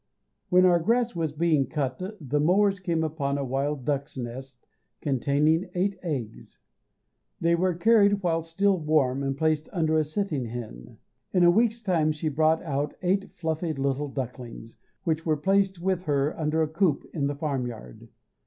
WHEN our grass was being cut the mowers came upon a wild duck's nest containing eight eggs; they were carried whilst still warm and placed under a sitting hen; in a week's time she brought out eight fluffy little ducklings, which were placed with her under a coop in the farmyard.